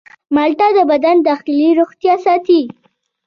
مالټه د بدن داخلي روغتیا ساتي.